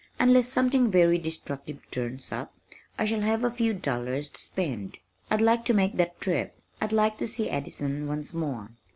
Unless something very destructive turns up I shall have a few dollars to spend. I'd like to make that trip. I'd like to see Addison once more."